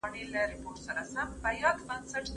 پوهان او علما په ګډه د دلارام د ابادۍ لپاره پلانونه جوړوي